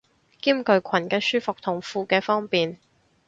兼具裙嘅舒服同褲嘅方便